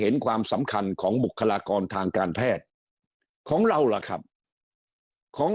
เห็นความสำคัญของบุคลากรทางการแพทย์ของเราล่ะครับของ